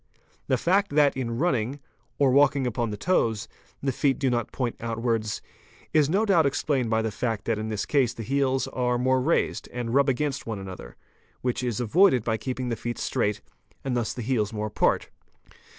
The fact that in running, or walking — upon the toes, the feet do not point outwards, is no doubt explained 3 by the fact that in this case the heels are more raised and rub against | one another, which is avoided by keeping the feet straight and thus : the heels more apart.